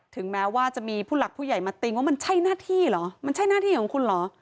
ถึงแม้ว่าจะมีผู้หลักผู้ใหญ่มาติ้งว่ามันใช่หน้าที่เหรอมันใช่หน้าที่ของคุณเหรอ